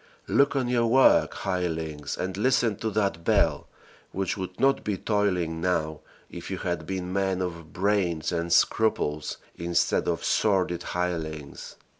Look on your work, hirelings, and listen to that bell, which would not be tolling now if you had been men of brains and scruples instead of sordid hirelings.